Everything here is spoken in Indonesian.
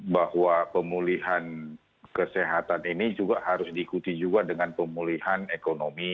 bahwa pemulihan kesehatan ini juga harus diikuti juga dengan pemulihan ekonomi